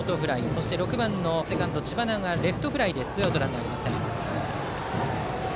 そして６番のセカンド知花がレフトフライでツーアウト、ランナーありません。